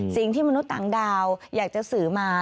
สิ่งที่มนุษย์ต่างดาวอยากจะสื่อมา